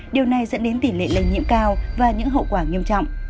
điều này dẫn đến tỷ lệ lây nhiễm cao và những hậu quả nghiêm trọng